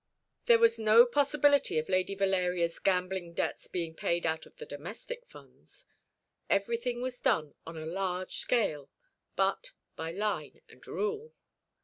There was no possibility of Lady Valeria's gambling debts being paid out of the domestic funds. Everything was done on a large scale, but by line and rule.